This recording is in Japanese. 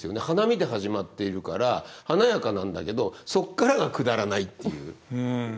花見で始まっているから華やかなんだけどそっからがくだらないっていう。